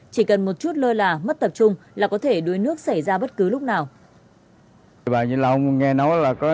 chỉ cần một chút lơ là mất tập trung là có thể đuối nước xảy ra bất cứ lúc nào